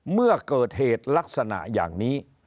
เมื่อเกิดเหตุลักษณะอย่างนี้